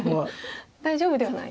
大丈夫ではない。